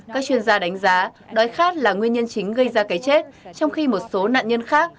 các chuyên gia đánh giá đói khát là nguyên nhân chính gây ra cái chết trong khi một số nạn nhân khác